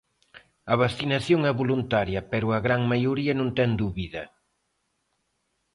A vacinación é voluntaria pero a gran maioría non ten dúbida.